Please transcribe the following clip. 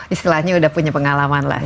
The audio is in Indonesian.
istilahnya udah punya pengalaman lah